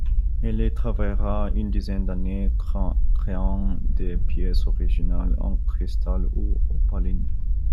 Il y travaillera une dizaine d’années, créant des pièces originales en cristal ou opaline.